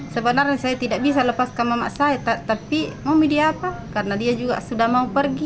sebenarnya saya tidak bisa lepaskan mama saya tapi mau media apa karena dia juga sudah mau pergi